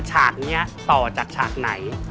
ฉากนี้ต่อจากฉากไหน